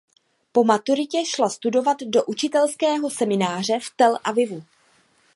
Po maturitě šla studovat do učitelského semináře do Tel Avivu.